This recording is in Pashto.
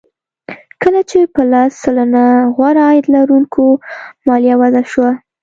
کله چې په لس سلنه غوره عاید لرونکو مالیه وضع شوه